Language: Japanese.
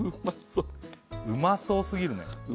うまそうすぎるねう